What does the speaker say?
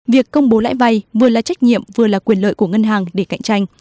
việc công bố lãi vay vừa là trách nhiệm vừa là quyền lợi của ngân hàng để cạnh tranh